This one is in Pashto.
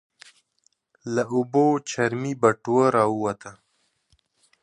له اوبو چرمي بټوه راووته.